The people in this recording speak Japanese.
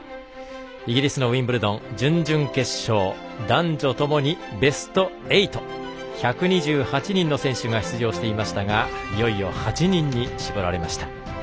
イギリスのウィンブルドン準々決勝、男女共にベスト８１２８人の選手が出場していましたがいよいよ８人に絞られました。